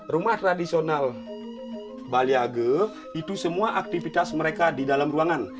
rumah tradisional balai age itu semua aktivitas mereka di dalam ruangan